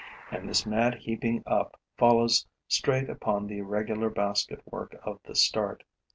And this mad heaping up follows straight upon the regular basket work of the start.